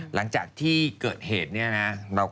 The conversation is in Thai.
หลังจากที่เกิดเหตุเนี่ยนะ